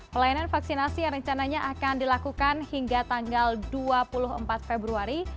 pelayanan vaksinasi yang rencananya akan dilakukan hingga tanggal dua puluh empat februari